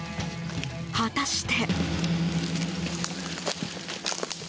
果たして。